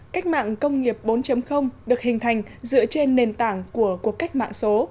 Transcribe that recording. cách mạng công nghiệp bốn được hình thành dựa trên nền tảng của cuộc cách mạng số